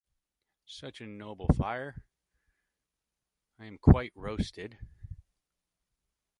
Such a noble fire! — I am quite roasted.